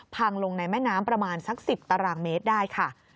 พังลงในแม่น้ำประมาณสัก๑๐ตารางเมตรได้ค่ะ